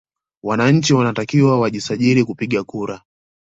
Wananchi wanatakiwa wajisajili kupiga kura